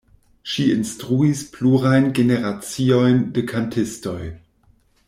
Ŝi instruis plurajn generaciojn de kantistoj.